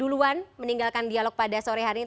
duluan meninggalkan dialog pada sore hari ini